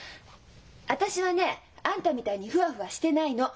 私はねあんたみたいにフワフワしてないの。